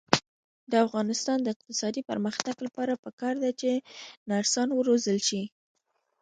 د افغانستان د اقتصادي پرمختګ لپاره پکار ده چې نرسان وروزل شي.